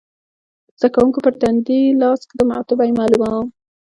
د زده کوونکي پر تندې لاس ږدم او تبه یې معلوموم.